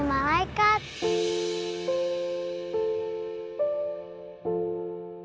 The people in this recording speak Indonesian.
tapi om baiknya